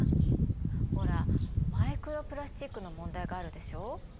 ほらマイクロプラスチックの問題があるでしょ？